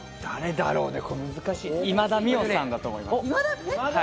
今田美桜さんだと思います。